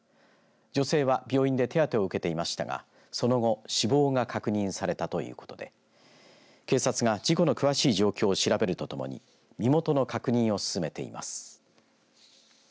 女性は病院で手当てを受けましたがその後、死亡が確認されたということで警察が事故の詳しい状況を調べるとともに身元の確認を進めています。